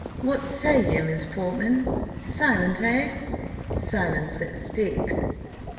What say you, Miss Portman? Silent, hey? Silence that speaks."